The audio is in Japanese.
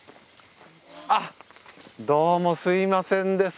あっどうもすいませんです。